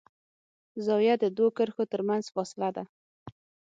زاویه د دوو کرښو تر منځ فاصله ده.